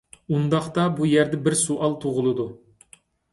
ئۇنداقتا بۇ يەردە بىر سوئال تۇغۇلىدۇ.